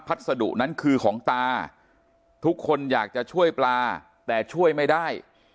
สดุนั้นคือของตาทุกคนอยากจะช่วยปลาแต่ช่วยไม่ได้